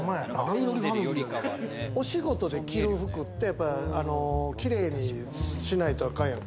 お仕事できる服ってキレイにしないとあかんやんか。